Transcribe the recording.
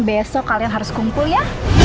besok kalian harus kumpul ya